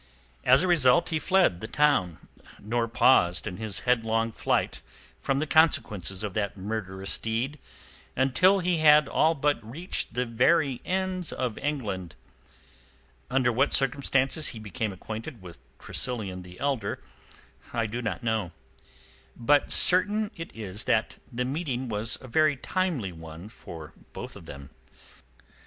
As a result he fled the town, nor paused in his headlong flight from the consequences of that murderous deed until he had all but reached the very ends of England. Under what circumstances he became acquainted with Tressilian the elder I do not know. But certain it is that the meeting was a very timely one for both of them.